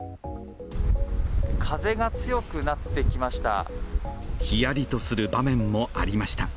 風が強くなってきました。